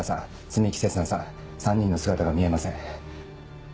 摘木星砂さん３人の姿が見えません。